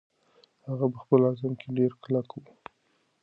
هغه په خپل عزم کې ډېره کلکه وه.